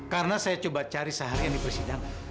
karena saya coba cari seharian di presidang